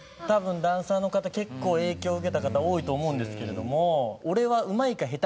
多分ダンサーの方結構影響受けた方多いと思うんですけれども。